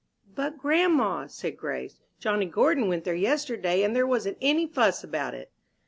"But, grandma," said Grace, "Johnny Gordon went there yesterday, and there wasn't any fuss about it."